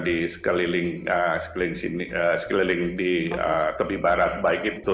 di sekeliling di tepi barat baik itu